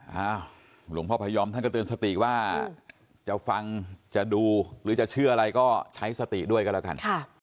หลวงพ่อพยอมท่านก็เตือนสติว่าจะฟังจะดูหรือจะเชื่ออะไรก็ใช้สติด้วยกันแล้วกัน